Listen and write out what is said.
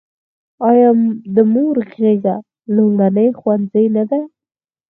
آیا د مور غیږه لومړنی ښوونځی نه دی؟